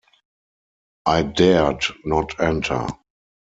I dared not enter.